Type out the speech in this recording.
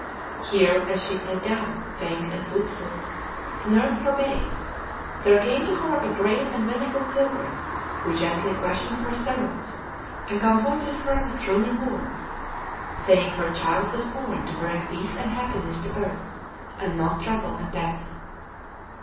Here, as she sat down, faint and foot sore, to nurse her babe, there came to her a grave and venerable pilgrim, who gently questioned her sorrows and comforted her with thrilling words, saying her child was born to bring peace and happiness to earth, and not trouble and death.